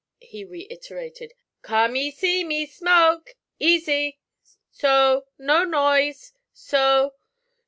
he reiterated. 'Kum e see e me e e smoke! Easy so no noise; so!